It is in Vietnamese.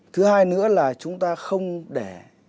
thứ hai nữa là chúng ta không để